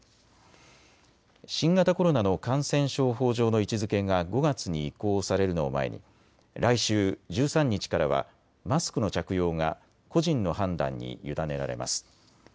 新型コロナの感染症法上の位置づけが５月に移行されるのを前に来週１３日からはマスクの着用が個人の判断に委ねられます。